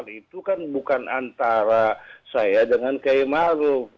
itu kan bukan antara saya dengan kiai maruf